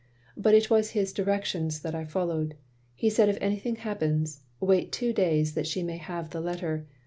"But it was his directions that I followed. He said, if anything happens, wait two days, that she may have the letter.